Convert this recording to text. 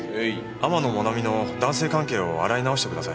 天野もなみの男性関係を洗い直してください。